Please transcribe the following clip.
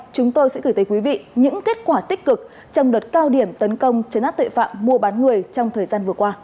chúng tôi sẽ gửi tới quý vị những kết quả tích cực trong đợt cao điểm tấn công chấn áp tội phạm mua bán người trong thời gian vừa qua